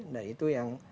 dan itu yang